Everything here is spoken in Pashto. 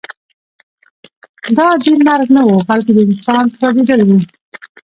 دا عادي مرګ نه و بلکې د انسان سوځېدل وو